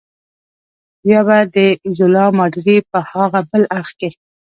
بیا به د ایزولا ماډرې په هاغه بل اړخ کې.